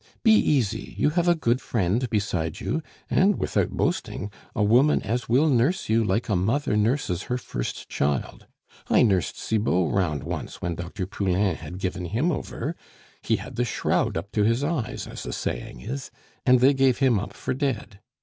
Be easy, you have a good friend beside you, and without boasting, a woman as will nurse you like a mother nurses her first child. I nursed Cibot round once when Dr. Poulain had given him over; he had the shroud up to his eyes, as the saying is, and they gave him up for dead.